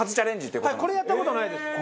これやった事ないです。